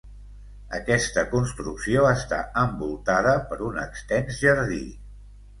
Aquesta construcció està envoltada per un extens jardí.